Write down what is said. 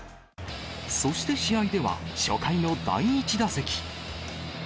そして試合では、初回の第１打席。